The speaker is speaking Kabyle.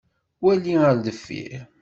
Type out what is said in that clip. Wali ar deffir!